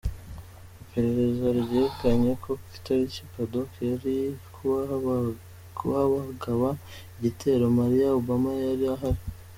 Iperereza ryekanye ko itariki Paddock yari kuhagaba igitero Malia Obama yari ahari.